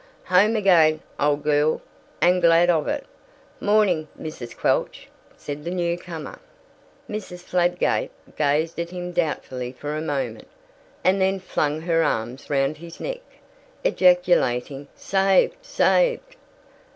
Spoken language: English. "Home again, old girl, and glad of it! Mornin', Mrs. Quelch," said the new comer. Mrs. Fladgate gazed at him doubtfully for a moment, and then flung her arms round his neck, ejaculating, "Saved, saved!"